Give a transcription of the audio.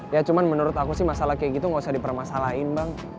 ya cuma menurut aku sih masalah kayak gitu gak usah dipermasalahin bang